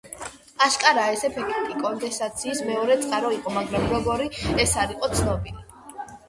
აშკარაა ეს ეფექტი კონდენსაციის მეორე წყარო იყო მაგრამ როგორი ეს არ იყო ცნობილი.